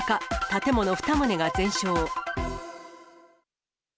建物２棟が全焼。